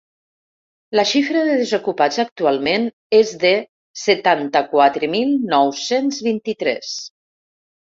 La xifra de desocupats actualment és de setanta-quatre mil nou-cents vint-i-tres.